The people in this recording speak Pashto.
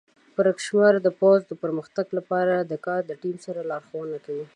پړکمشر د پوځ د پرمختګ لپاره د کاري ټیم سره لارښوونه کوي.